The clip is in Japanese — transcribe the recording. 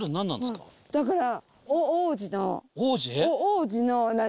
だから。